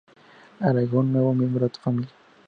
Agrega un nuevo miembro a tu familia.